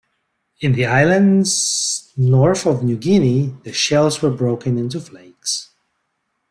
In the islands north of New Guinea the shells were broken into flakes.